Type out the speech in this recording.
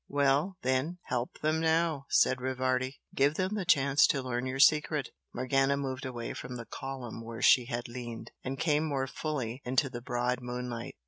"Well, then, help them now," said Rivardi "Give them the chance to learn your secret!" Morgana moved away from the column where she had leaned, and came more fully into the broad moonlight.